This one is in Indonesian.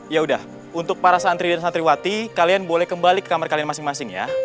ya udah untuk para santri dan santriwati kalian boleh kembali ke kamar kalian masing masing ya